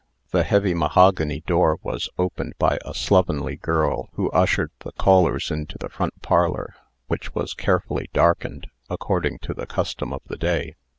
The heavy mahogany door was opened by a slovenly girl, who ushered the callers into the front parlor, which was carefully darkened, according to the custom of the day.